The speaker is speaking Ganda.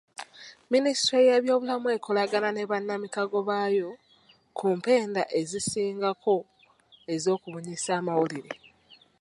Minisitule y'ebyobulamu ekolagana ne bannamikago baayo ku mpenda ezisingako ez'okubunyisa amawulire.